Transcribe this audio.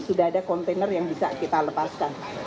sudah ada kontainer yang bisa kita lepaskan